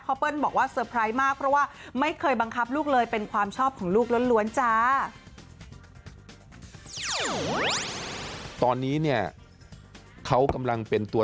เปิ้ลบอกว่าเตอร์ไพรส์มากเพราะว่าไม่เคยบังคับลูกเลยเป็นความชอบของลูกล้วนจ้า